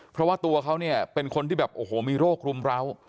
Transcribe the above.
เพราะว่าตัวเขาเนี่ยเป็นคนที่แบบโอ้โหมีโรครุมร้าว